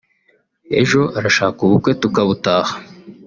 ejo arashaka ubukwe tukabutaha